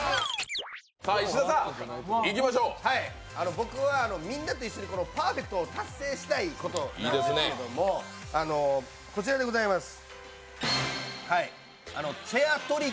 僕がみんなと一緒にパーフェクトを達成したいことなんですけどこちらでございます。